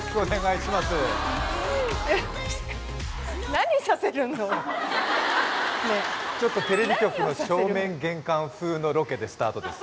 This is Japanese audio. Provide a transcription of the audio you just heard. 何をさせるわけちょっとテレビ局の正面玄関風のロケでスタートです